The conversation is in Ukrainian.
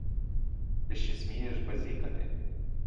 Ти ще смієш базікати?